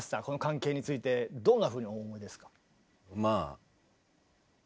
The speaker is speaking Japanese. この関係についてどんなふうにお思いですか？